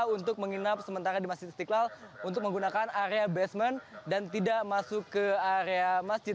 untuk menginap sementara di masjid istiqlal untuk menggunakan area basement dan tidak masuk ke area masjid